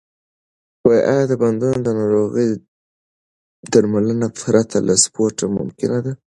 آیا د بندونو ناروغي درملنه پرته له سپورت ممکنه ده؟